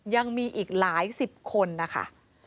ยังมีอีกหลายสิบคนนะคะ